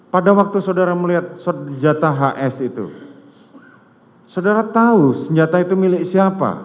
pada waktu saudara melihat senjata hs itu saudara tahu senjata itu milik siapa